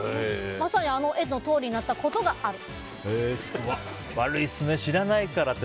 まさに、あの絵のとおりになったことがある。